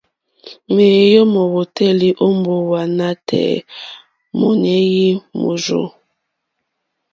Ŋwéyò mówǒtélì ó mbówà nǎtɛ̀ɛ̀ mɔ́nɛ̀yí mórzô.